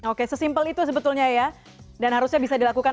oke sesimpel itu sebetulnya ya